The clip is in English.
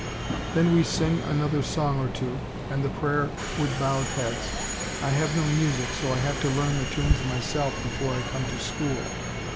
Then we sing another song or two, and the prayer with bowed heads. I have no music, so I have to learn the tunes myself before I come to school.